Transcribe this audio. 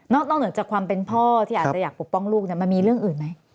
นอกเหนือจากความเป็นพ่อที่อาจจะอยากปกป้องลูกมันมีเรื่องอื่นไหม